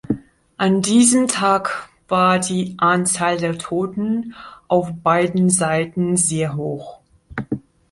An diesem Tag war die Anzahl der Toten auf beiden Seiten sehr hoch.